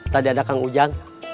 tadi ada kang ujang